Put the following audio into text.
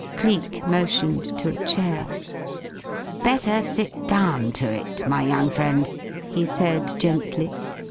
Cleek motioned to a chair. "Better sit down to it, my young friend," he said, gently.